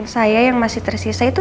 saya yang masih tersisa itu